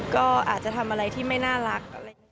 ก็อาจจะทำอะไรที่ไม่น่ารัก